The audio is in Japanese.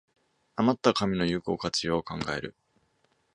あまった紙の有効活用を考える